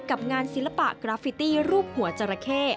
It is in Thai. กับงานศิลปะกราฟิตี้รูปหัวจราเข้